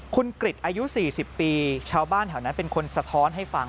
คุณกริจอายุ๔๐ปีชาวบ้านแถวนั้นเป็นคนสะท้อนให้ฟัง